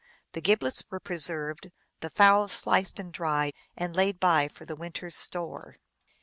The giblets were preserved, the fowls sliced and dried and laid by for the winter s store.